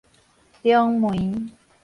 中梅